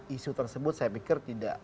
isu tersebut saya pikir tidak